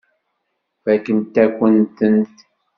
Fakkent-akent-tent.